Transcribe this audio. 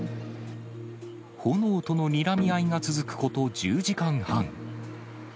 炎とのにらみ合いが続くこと、１０時間半。